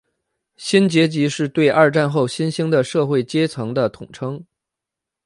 新阶级是对二战后新兴的社会阶层的统称。